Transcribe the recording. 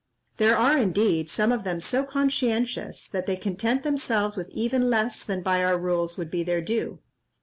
There are, indeed, some of them so conscientious, that they content themselves with even less than by our rules would be their due.